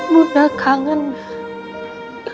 bunda kangen naya